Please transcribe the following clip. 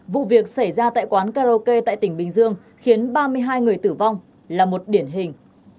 vụ việc xảy ra tại quán karaoke tại tỉnh bình dương khiến ba mươi hai người tử vong là một điển hình